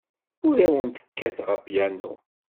Ur awent-kkateɣ apyanu.